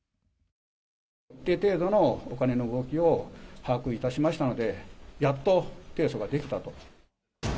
一定程度のお金の動きを把握いたしましたので、やっと提訴ができたと。